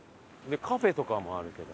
カフェとかもあるけど。